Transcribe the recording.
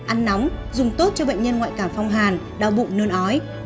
ăn nóng dùng tốt cho bệnh nhân ngoại cảm phong hàn đau bụng nôn ói